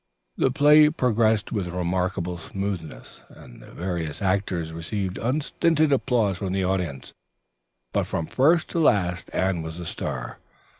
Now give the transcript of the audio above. The play progressed with remarkable smoothness, and the various actors received unstinted applause from the audience, but from first to last Anne was the star.